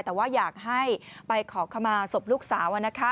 แต่ว่าอยากให้ไปขอขมาศพลูกสาว